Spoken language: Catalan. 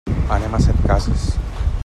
Anem a Setcases.